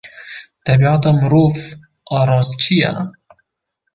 Tebîata mirov a rastî çi ye?